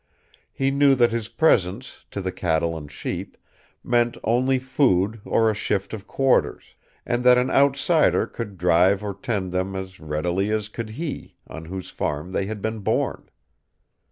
He knew that his presence, to the cattle and sheep, meant only food or a shift of quarters; and that an outsider could drive or tend them as readily as could he on whose farm they had been born.